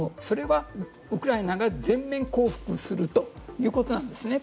それはウクライナが全面降伏するということなんです